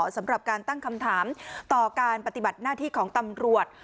สำหรับการตั้งคำถามต่อการปฏิบัติหน้าที่ของตำรวจ